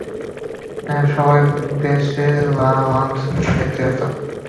হ্যাঁ, সবাই ব্যাশের launch mission দেখতে ব্যস্ত।